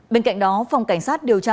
bên cạnh đó phòng cảnh sát điều tra